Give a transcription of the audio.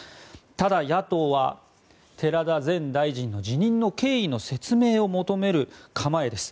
ただ、野党は寺田前大臣の辞任の経緯の説明を求める構えです。